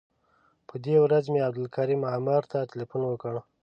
په دې ورځ مې عبدالکریم عامر ته تیلفون وکړ.